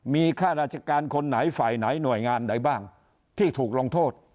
มีข้าราชการคนไหนฝ่ายไหนหน่วยงานไหนบ้างที่ถูกลงโทษ